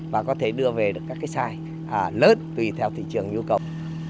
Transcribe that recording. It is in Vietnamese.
và có thể đưa về được các cái sai lớn tùy theo thị trường nhu cầu